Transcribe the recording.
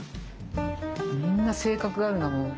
みんな性格があるなもう。